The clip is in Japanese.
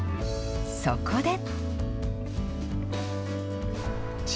そこで。